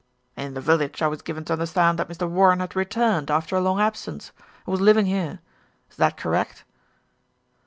"In the village I was given to understand that Mr. Warren had returned after a long absence, and was living here. Is that correct?"